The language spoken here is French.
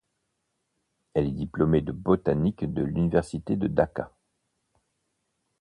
Elle est diplômée de botanique de l'université de Dacca.